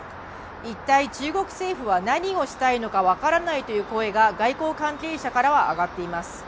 一体、中国政府は何をしたいのか分からないという声が外交関係者からは上がっています。